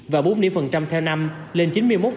và bốn điểm phần trăm theo năm lên chín mươi một